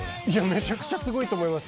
めちゃくちゃすごいと思います。